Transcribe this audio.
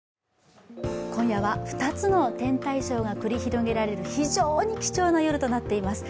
今夜は２つの天体ショーが繰り広げられる非常に貴重な夜となっています。